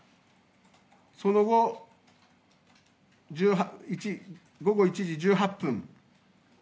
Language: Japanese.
その後、午後１時１８分。